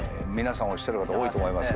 おっしゃる方多いと思いますが。